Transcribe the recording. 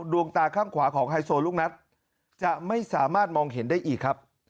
ดวงตาข้างขวาของไฮโซลูกนัทจะไม่สามารถมองเห็นได้อีกครับ